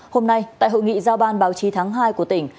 hôm nay tại hội nghị giao ban báo chí tháng hai của tỉnh